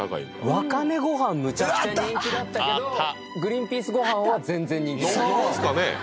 わかめご飯むちゃくちゃ人気だったけどグリンピースご飯は全然人気ないっていう。